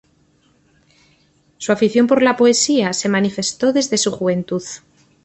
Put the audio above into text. Su afición por la poesía se manifestó desde su juventud.